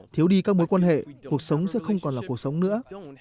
thiếu đi các mối quan hệ cuộc sống sẽ không còn là cuộc sống nữa